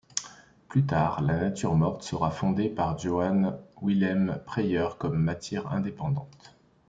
Plus tard, la nature morte sera fondée par Johann Wilhelm Preyer comme matière indépendante.